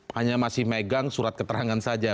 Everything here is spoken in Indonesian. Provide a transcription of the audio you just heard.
hanya masih megang surat keterangan saja